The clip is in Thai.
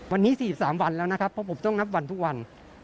วันนี้๔๓วันแล้วนะครับเพราะผมต้องนับวันทุกวัน